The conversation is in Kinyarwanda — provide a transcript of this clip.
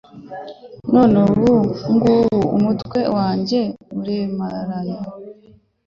None ubu ngubu umutwe wanjye uremaraye